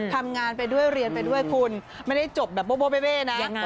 ทำงานไปด้วยเรียนไปด้วยคุณไม่ได้จบแบบโบเบ่นะ